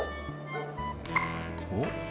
おっ？